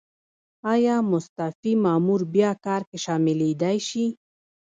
ایا مستعفي مامور بیا کار کې شاملیدای شي؟